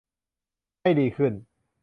ให้ดีขึ้น